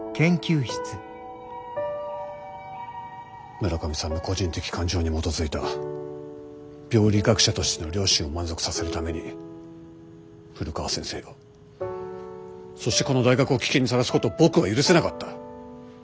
村上さんの個人的感情に基づいた病理学者としての良心を満足させるために古川先生をそしてこの大学を危険にさらすことを僕は許せなかった。